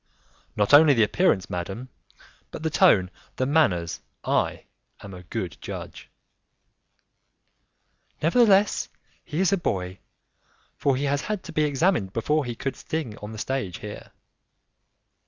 "Not only the appearance, madam, but the tone, the manners; I am a good judge." "Nevertheless, he is a boy, for he has had to be examined before he could sing on the stage here."